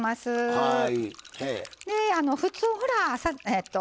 はい。